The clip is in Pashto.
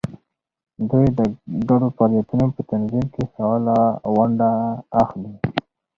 دوی د ګډو فعالیتونو په تنظیم کې فعاله ونډه اخلي.